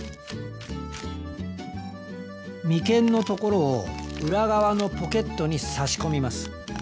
眉間のところを裏側のポケットに差し込みます。